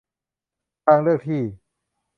ทางเลือกที่